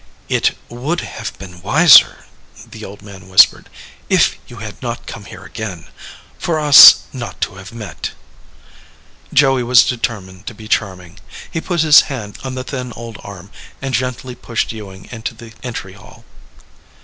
"It would have been wiser," the old man whispered, "if you had not come here again for us not to have met." Joey was determined to be charming. He put his hand on the thin old arm and gently pushed Ewing into the entry hall.